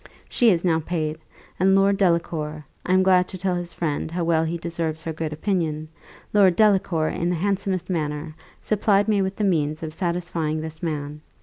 She is now paid: and Lord Delacour I am glad to tell his friend how well he deserves her good opinion Lord Delacour in the handsomest manner supplied me with the means of satisfying this man.